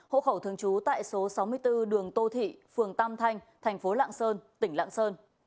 hộ khẩu thường trú tại số sáu mươi bốn đường tô thị phường tam thanh thành phố lạng sơn tỉnh lạng sơn